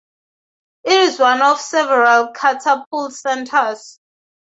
It is one of several Catapult centres.